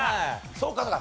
そうかそうか。